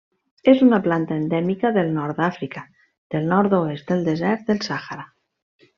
És una planta endèmica del Nord d'Àfrica, del nord-oest del desert del Sàhara.